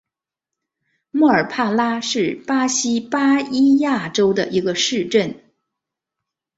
莫尔帕拉是巴西巴伊亚州的一个市镇。